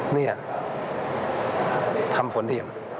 นี่ทำฝนเทียม